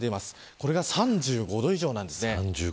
これが３５度以上です。